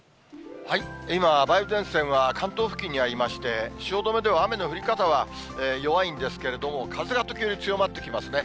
今は梅雨前線は関東付近にありまして、汐留では雨の降り方は弱いんですけれども、風が時折強まってきますね。